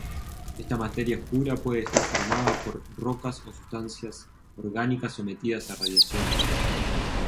Esta materia oscura puede estar formada por rocas o sustancias orgánicas sometidas a radiación.